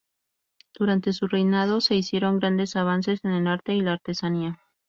Durante su reinado se hicieron grandes avances en el arte y la artesanía.